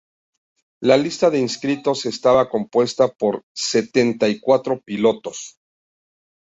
La lista de inscritos estaba compuesta por setenta y cuatro pilotos.